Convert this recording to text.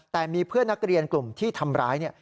แต่มีเพื่อนนักเรียนกลุ่มที่ทำร้ายเนี่ย